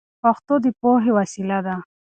پښتو د پوهې وسیله ده.